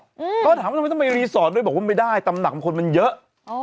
เพราะถามว่าทำไมต้องไปรีสอร์ทด้วยบอกว่าไม่ได้ตำหนักของคนมันเยอะ